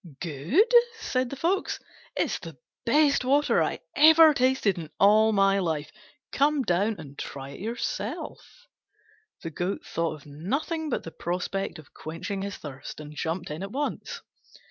"Good?" said the Fox, "it's the best water I ever tasted in all my life. Come down and try it yourself." The Goat thought of nothing but the prospect of quenching his thirst, and jumped in at once.